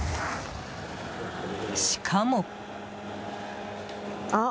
しかも。